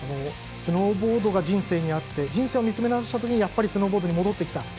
スノーボードが人生にあって人生を見つめ直したときにやっぱりスノーボードに戻ってきた。